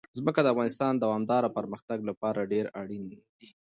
ځمکه د افغانستان د دوامداره پرمختګ لپاره ډېر اړین دي.